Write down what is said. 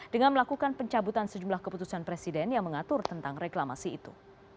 dengan melakukan pencabutan sejumlah keputusan presiden yang mengatur tentang reklamasi itu